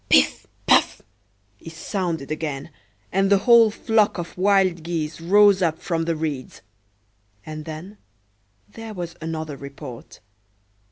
"Piff! Paff!" is sounded again, and the whole flock of wild geese rose up from the reeds. And then there was another report.